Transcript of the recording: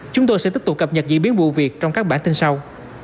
chúng tôi sẽ tiếp tục cập nhật diễn biến vụ việc trong các bản tin sau